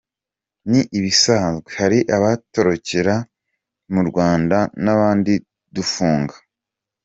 Ni ibisanzwe, hari abatorokera mu Rwanda n’abandi dufunga.